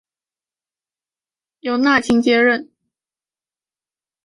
俄罗斯的财政危机使得预算金额多次变更。